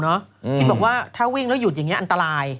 ที่บอกว่าถ้าวิ่งแล้วหยุดอย่างนี้อันตราย